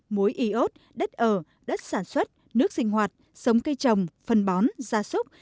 muối y ốt đất ở đất sản xuất nước sinh hoạt sống cây trồng phân bón gia súc